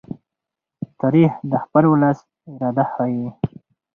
تاریخ د خپل ولس اراده ښيي.